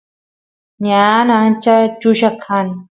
ñan ancha chulla kan